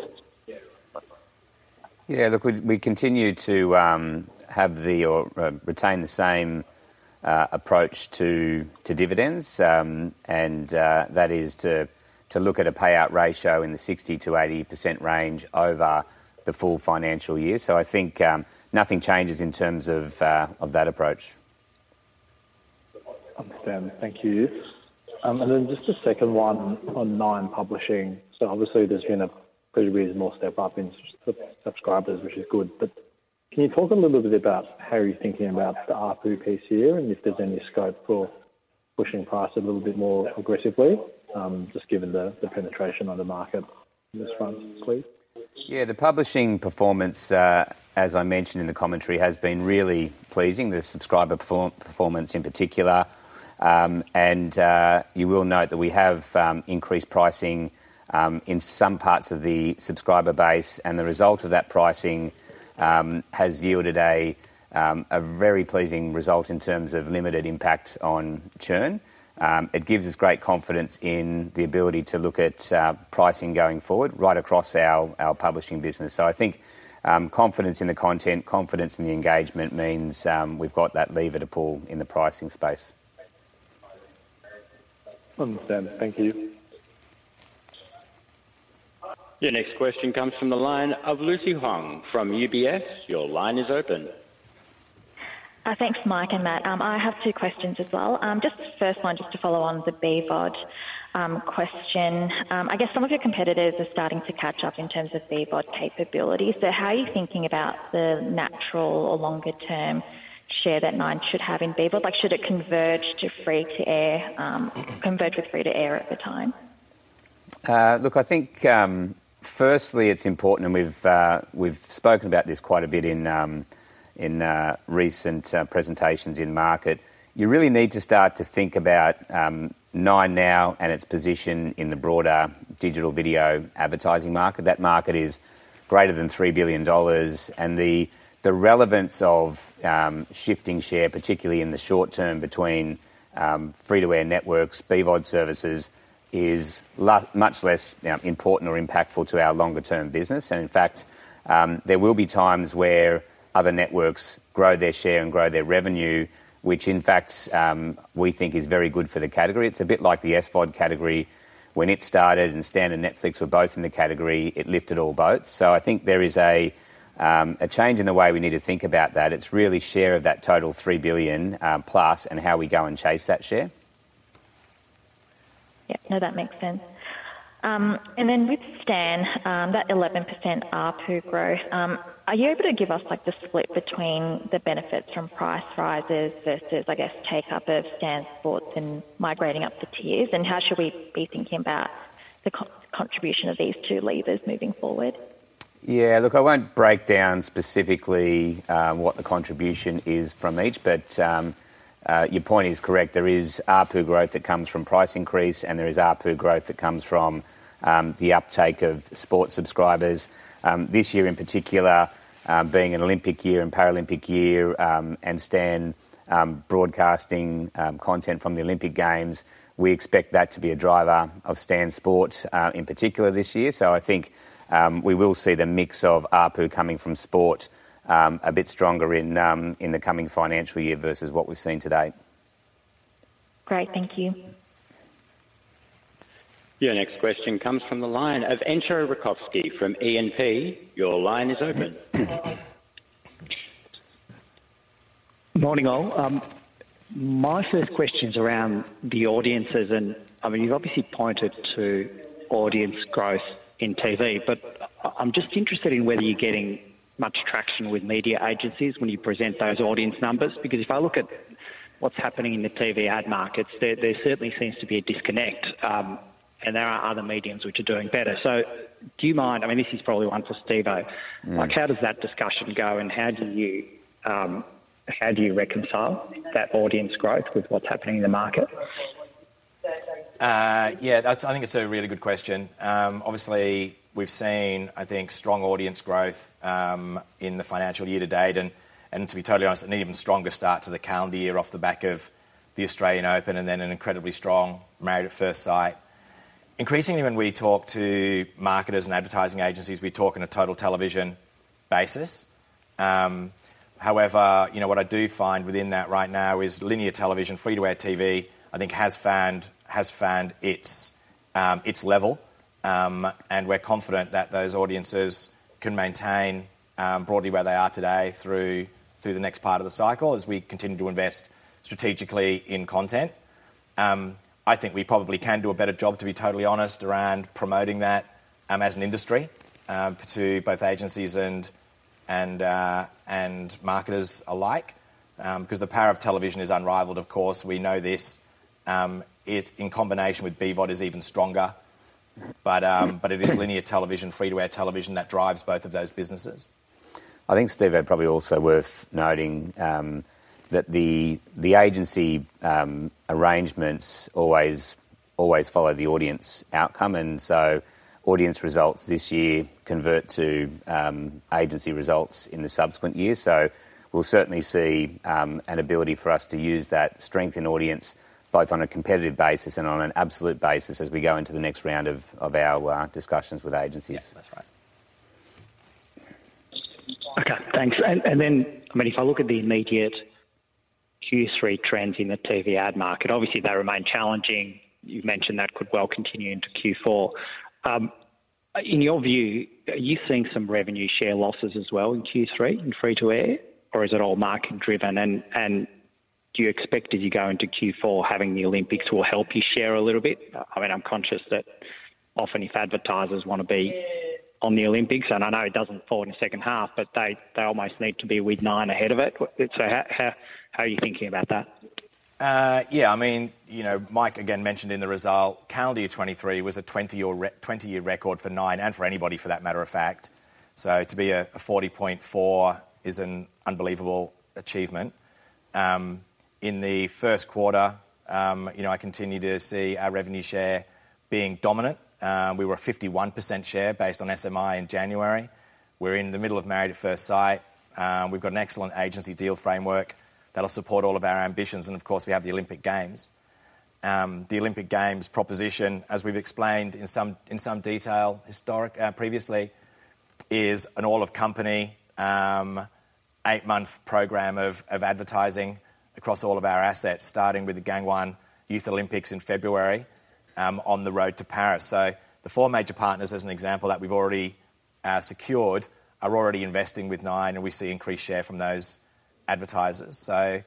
Yeah, look, we continue to retain the same approach to dividends, and that is to look at a payout ratio in the 60%-80% range over the full financial year. So I think nothing changes in terms of that approach. Understand. Thank you. And then just a second one on Nine Publishing. So obviously, there's been a good reason, more step up in subscribers, which is good. But can you talk a little bit about how you're thinking about the ARPU piece here, and if there's any scope for pushing price a little bit more aggressively, just given the penetration of the market on this front, please? Yeah, the publishing performance, as I mentioned in the commentary, has been really pleasing, the subscriber performance in particular. And, you will note that we have increased pricing in some parts of the subscriber base, and the result of that pricing has yielded a very pleasing result in terms of limited impact on churn. It gives us great confidence in the ability to look at pricing going forward, right across our publishing business. So I think, confidence in the content, confidence in the engagement means, we've got that lever to pull in the pricing space. Understand. Thank you. Your next question comes from the line of Lucy Huang from UBS. Your line is open. Thanks, Mike and Matt. I have two questions as well. Just the first one, just to follow on the BVOD question. I guess some of your competitors are starting to catch up in terms of BVOD capability. So how are you thinking about the natural or longer-term share that Nine should have in BVOD? Like, should it converge to free-to-air, converge with free-to-air at the time? Look, I think, firstly, it's important, and we've spoken about this quite a bit in recent presentations in market. You really need to start to think about Nine now and its position in the broader digital video advertising market. That market is greater than 3 billion dollars, and the relevance of shifting share, particularly in the short term between free-to-air networks, BVOD services, is much less important or impactful to our longer-term business. And in fact, there will be times where other networks grow their share and grow their revenue, which in fact we think is very good for the category. It's a bit like the SVOD category. When it started, and Stan and Netflix were both in the category, it lifted all boats. I think there is a change in the way we need to think about that. It's really share of that total 3 billion plus, and how we go and chase that share. Yeah. No, that makes sense. And then with Stan, that 11% ARPU growth, are you able to give us, like, the split between the benefits from price rises versus, I guess, take-up of Stan Sport and migrating up the tiers? And how should we be thinking about the co-contribution of these two levers moving forward? Yeah, look, I won't break down specifically what the contribution is from each, but your point is correct. There is ARPU growth that comes from price increase, and there is ARPU growth that comes from the uptake of sport subscribers. This year, in particular, being an Olympic year and Paralympic year, and Stan broadcasting content from the Olympic Games, we expect that to be a driver of Stan Sport, in particular this year. So I think we will see the mix of ARPU coming from sport a bit stronger in the coming financial year versus what we've seen today. Great. Thank you. Your next question comes from the line of Entcho Raykovski from E&P. Your line is open. Morning, all. My first question is around the audiences, and, I mean, you've obviously pointed to audience growth in TV, but I'm just interested in whether you're getting much traction with media agencies when you present those audience numbers. Because if I look at what's happening in the TV ad markets, there, there certainly seems to be a disconnect, and there are other mediums which are doing better. So do you mind. I mean, this is probably one for Steve, but, like, how does that discussion go, and how do you, how do you reconcile that audience growth with what's happening in the market? Yeah, that's. I think it's a really good question. Obviously, we've seen, I think, strong audience growth in the financial year to date, and to be totally honest, an even stronger start to the calendar year off the back of the Australian Open, and then an incredibly strong Married at First Sight. Increasingly, when we talk to marketers and advertising agencies, we talk in a total television basis. However, you know, what I do find within that right now is linear television, free-to-air TV, I think, has found its level. And we're confident that those audiences can maintain broadly where they are today through the next part of the cycle, as we continue to invest strategically in content. I think we probably can do a better job, to be totally honest, around promoting that, as an industry, to both agencies and marketers alike. 'Cause the power of television is unrivaled, of course. We know this. It, in combination with BVOD, is even stronger. But it is linear television, free-to-air television, that drives both of those businesses. I think, Steve, probably also worth noting, that the agency arrangements always follow the audience outcome, and so audience results this year convert to agency results in the subsequent year. So we'll certainly see an ability for us to use that strength in audience, both on a competitive basis and on an absolute basis, as we go into the next round of our discussions with agencies. Yeah, that's right. Okay, thanks. And then, I mean, if I look at the immediate Q3 trends in the TV ad market, obviously they remain challenging. You've mentioned that could well continue into Q4. In your view, are you seeing some revenue share losses as well in Q3, in free-to-air, or is it all market driven? And do you expect, as you go into Q4, having the Olympics will help you share a little bit? I mean, I'm conscious that often, if advertisers want to be on the Olympics, and I know it doesn't fall in the second half, but they almost need to be with Nine ahead of it. So how are you thinking about that? Yeah, I mean, you know, Mike again mentioned in the result, calendar year 2023 was a 20-year record for Nine and for anybody for that matter of fact. So to be a 40.4% is an unbelievable achievement. In the first quarter, you know, I continue to see our revenue share being dominant. We were a 51% share based on SMI in January. We're in the middle of Married at First Sight. We've got an excellent agency deal framework that'll support all of our ambitions, and of course, we have the Olympic Games. The Olympic Games proposition, as we've explained in some detail, historic, previously, is an all-of-company eight-month program of advertising across all of our assets, starting with the Gangwon Youth Olympics in February, on the road to Paris. So the four major partners, as an example, that we've already secured, are already investing with Nine, and we see increased share from those advertisers. So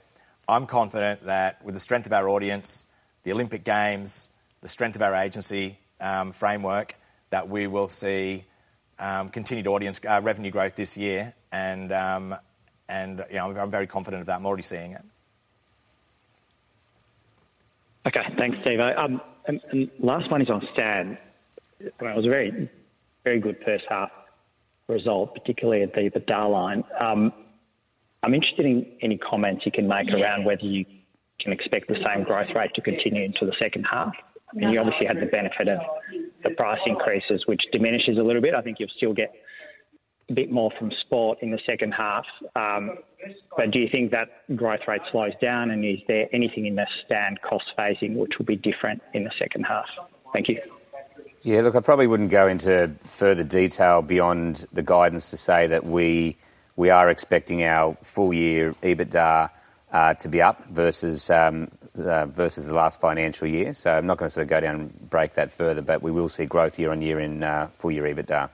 I'm confident that with the strength of our audience, the Olympic Games, the strength of our agency framework, that we will see continued audience revenue growth this year, and you know, I'm very confident about. I'm already seeing it. Okay, thanks, Steve. And last one is on Stan. Well, it was a very, very good first half result, particularly at the EBITDA line. I'm interested in any comments you can make around whether you can expect the same growth rate to continue into the second half. I mean, you obviously had the benefit of the price increases, which diminishes a little bit. I think you'll still get a bit more from sport in the second half. But do you think that growth rate slows down, and is there anything in the Stan cost phasing, which will be different in the second half? Thank you. Yeah, look, I probably wouldn't go into further detail beyond the guidance to say that we are expecting our full-year EBITDA to be up versus the last financial year. So I'm not going to go down and break that further, but we will see growth year on year in full-year EBITDA.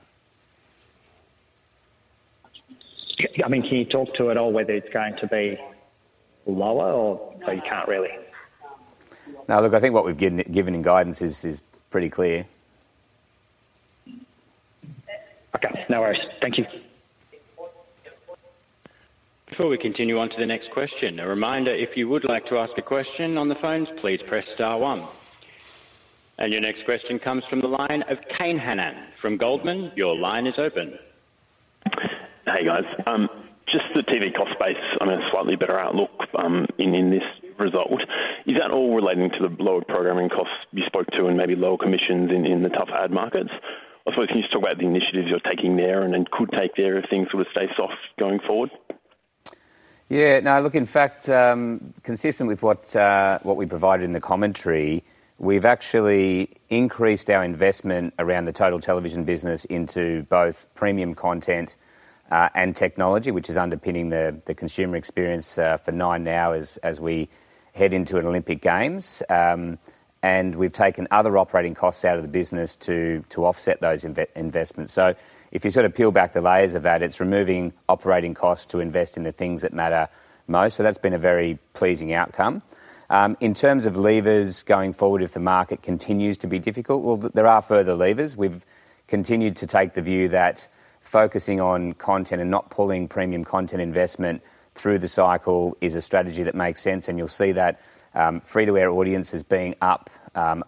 I mean, can you talk to at all whether it's going to be lower or, so you can't really? No, look, I think what we've given in guidance is pretty clear. Okay, no worries. Thank you. Before we continue on to the next question, a reminder, if you would like to ask a question on the phones, please press star one. Your next question comes from the line of Kane Hannan from Goldman. Your line is open. Hey, guys. Just the TV cost base, I mean, a slightly better outlook in this result. Is that all relating to the lower programming costs you spoke to and maybe lower commissions in the tough ad markets? Also, can you just talk about the initiatives you're taking there and then could take there if things were to stay soft going forward? Yeah. No, look, in fact, consistent with what we provided in the commentary, we've actually increased our investment around the total television business into both premium content and technology, which is underpinning the consumer experience for 9Now as we head into an Olympic Games. And we've taken other operating costs out of the business to offset those investments. So if you sort of peel back the layers of that, it's removing operating costs to invest in the things that matter most. So that's been a very pleasing outcome. In terms of levers going forward, if the market continues to be difficult, well, there are further levers. We've continued to take the view that focusing on content and not pulling premium content investment through the cycle is a strategy that makes sense, and you'll see that, free-to-air audience has been up,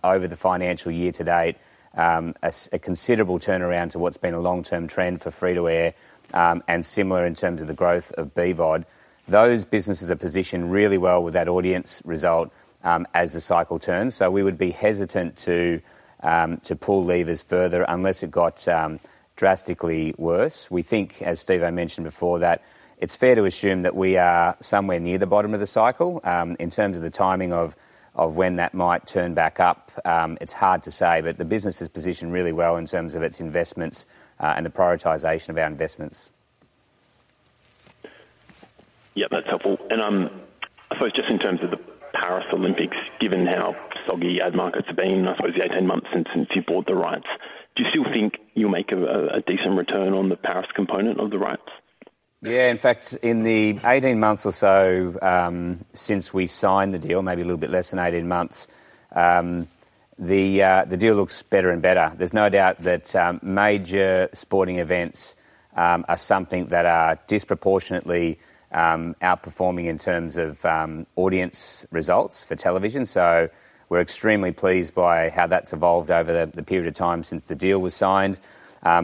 over the financial year to date, a considerable turnaround to what's been a long-term trend for free-to-air, and similar in terms of the growth of BVOD. Those businesses are positioned really well with that audience result, as the cycle turns. So we would be hesitant to, to pull levers further unless it got, drastically worse. We think, as Steve mentioned before, that it's fair to assume that we are somewhere near the bottom of the cycle. In terms of the timing of when that might turn back up, it's hard to say, but the business is positioned really well in terms of its investments, and the prioritization of our investments. Yeah, that's helpful. And, I suppose just in terms of the Paris Olympics, given how soggy ad markets have been, I suppose, the 8-10 months since you bought the rights, do you still think you'll make a decent return on the Paris component of the rights? Yeah, in fact, in the 18 months or so since we signed the deal, maybe a little bit less than 18 months, the deal looks better and better. There's no doubt that major sporting events are something that are disproportionately outperforming in terms of audience results for television. So we're extremely pleased by how that's evolved over the period of time since the deal was signed.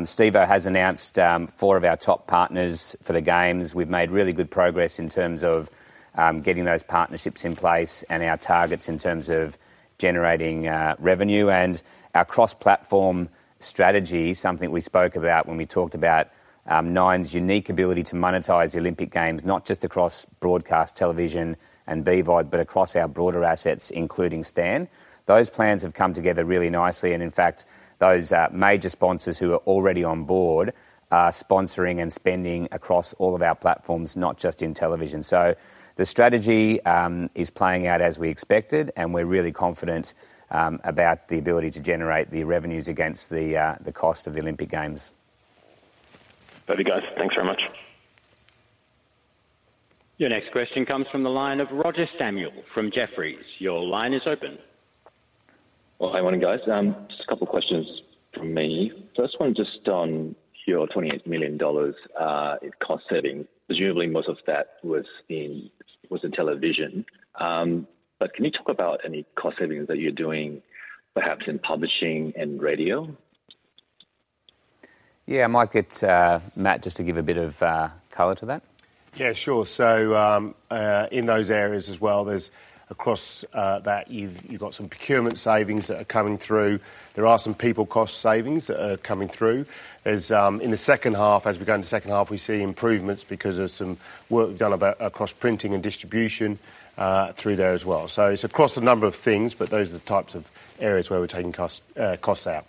Steve has announced four of our top partners for the Games. We've made really good progress in terms of getting those partnerships in place and our targets in terms of generating revenue. And our cross-platform strategy, something we spoke about when we talked about Nine's unique ability to monetize the Olympic Games, not just across broadcast television and BVOD, but across our broader assets, including Stan. Those plans have come together really nicely, and in fact, those major sponsors who are already on board are sponsoring and spending across all of our platforms, not just in television. So the strategy is playing out as we expected, and we're really confident about the ability to generate the revenues against the cost of the Olympic Games. Love you guys. Thanks very much. Your next question comes from the line of Roger Samuel from Jefferies. Your line is open. Well, hi, morning, guys. Just a couple of questions from me. First one, just on your 28 million dollars in cost savings. Presumably, most of that was in television. But can you talk about any cost savings that you're doing, perhaps in publishing and radio? Yeah, Mike, it's Matt, just to give a bit of color to that. Yeah, sure. So, in those areas as well, there's across that you've got some procurement savings that are coming through. There are some people cost savings that are coming through. As in the second half, as we go into the second half, we see improvements because of some work done about across printing and distribution through there as well. So it's across a number of things, but those are the types of areas where we're taking costs out.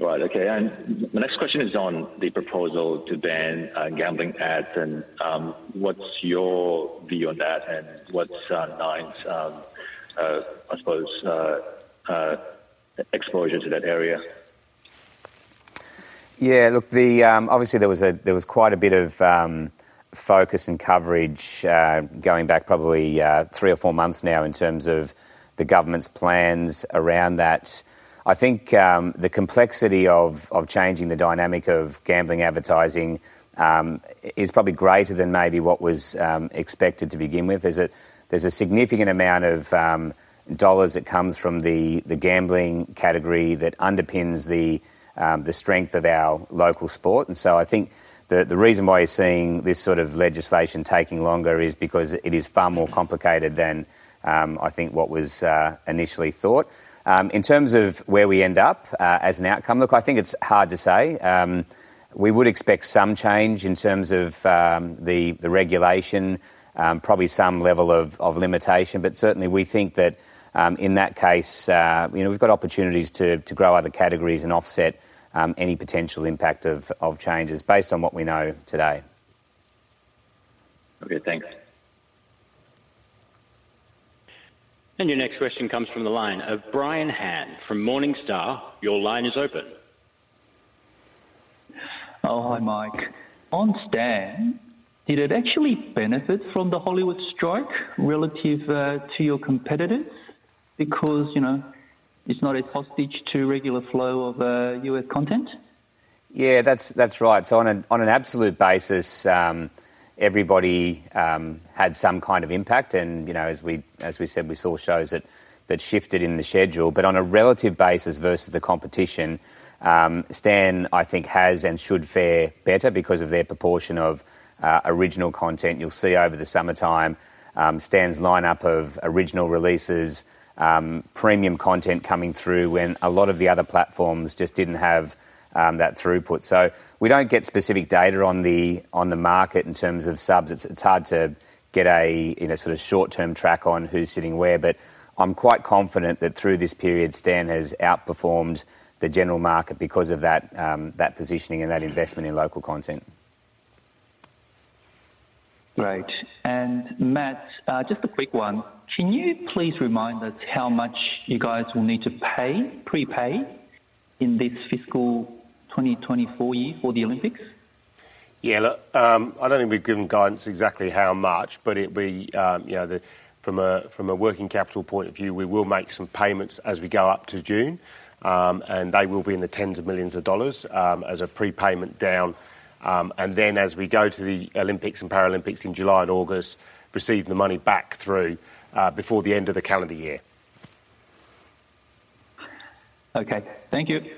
Right. Okay, and the next question is on the proposal to ban gambling ads, and what's your view on that, and what's Nine's, I suppose, exposure to that area? Yeah, look, the. Obviously, there was quite a bit of focus and coverage going back probably three or four months now in terms of the government's plans around that. I think the complexity of changing the dynamic of gambling advertising is probably greater than maybe what was expected to begin with. There's a significant amount of dollars that comes from the gambling category that underpins the strength of our local sport, and so I think the reason why you're seeing this sort of legislation taking longer is because it is far more complicated than I think what was initially thought. In terms of where we end up as an outcome, look, I think it's hard to say. We would expect some change in terms of the regulation, probably some level of limitation, but certainly, we think that in that case, you know, we've got opportunities to grow other categories and offset any potential impact of changes based on what we know today. Okay, thanks. Your next question comes from the line of Brian Han from Morningstar. Your line is open. Oh, hi, Mike. On Stan, did it actually benefit from the Hollywood strike relative to your competitors? Because, you know, it's not a hostage to regular flow of U.S. content. Yeah, that's, that's right. So on an, on an absolute basis, everybody had some kind of impact and, you know, as we, as we said, we saw shows that, that shifted in the schedule. But on a relative basis versus the competition, Stan, I think, has and should fare better because of their proportion of original content. You'll see over the summertime, Stan's lineup of original releases, premium content coming through when a lot of the other platforms just didn't have, that throughput. So we don't get specific data on the, on the market in terms of subs. It's, it's hard to get a, you know, sort of short-term track on who's sitting where, but I'm quite confident that through this period, Stan has outperformed the general market because of that, that positioning and that investment in local content. Great. Matt, just a quick one. Can you please remind us how much you guys will need to pay, pre-pay in this fiscal 2024 year for the Olympics? Yeah, look, I don't think we've given guidance exactly how much, but it be, you know, from a working capital point of view, we will make some payments as we go up to June. And they will be in the tens of millions of dollars, as a prepayment down. And then as we go to the Olympics and Paralympics in July and August, receive the money back through, before the end of the calendar year. Okay, thank you.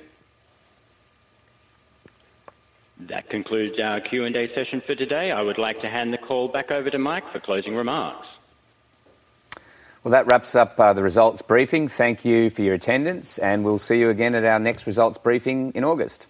That concludes our Q&A session for today. I would like to hand the call back over to Mike for closing remarks. Well, that wraps up the results briefing. Thank you for your attendance, and we'll see you again at our next results briefing in August.